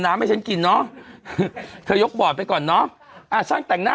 น้ำให้ฉันกินเนาะเธอยกโบสถ์ไปก่อนเนาะอ่าสร้างแต่งหน้า